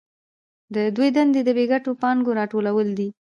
د دوی دنده د بې ګټو پانګو راټولول دي